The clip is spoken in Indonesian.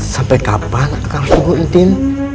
sampai kapan akan harus nungguin tin